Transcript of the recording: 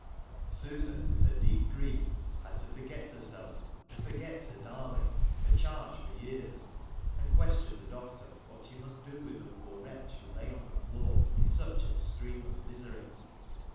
Susan, with her deep grief, had to forget herself, and forget her darling (her charge for years), and ques tion the doctor what she must do with the poor wretch, who lay on the floor in such extreme of misery.